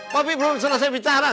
bobby belum selesai bicara